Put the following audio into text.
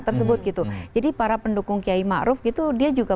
trust dan anticipation yang tinggi